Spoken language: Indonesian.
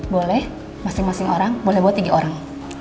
boleh masing masing orang boleh buat tiga orang